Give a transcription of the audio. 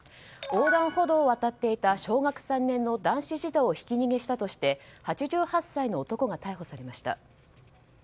横断歩道を渡っていた小学３年の男子児童をひき逃げしたとして８８歳の男が逮捕されました。